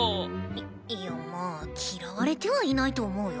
いいやまあ嫌われてはいないと思うよ。